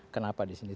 kenapa di sini